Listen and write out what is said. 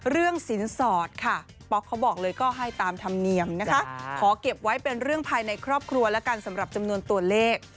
สินสอดค่ะป๊อกเขาบอกเลยก็ให้ตามธรรมเนียมนะคะขอเก็บไว้เป็นเรื่องภายในครอบครัวแล้วกันสำหรับจำนวนตัวเลข